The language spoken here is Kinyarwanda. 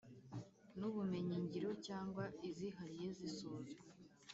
N ubumenyingiro cyangwa izihariye zisozwa